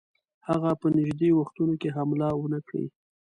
هغه په نیژدې وختونو کې حمله ونه کړي.